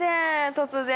突然。